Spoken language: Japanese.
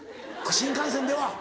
新幹線では。